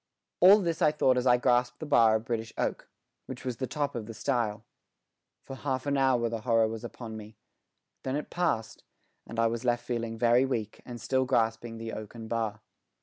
All this I thought as I grasped the bar of British oak, which was the top of the stile. For half an hour the horror was upon me. Then it passed, and I was left feeling very weak and still grasping the oaken bar.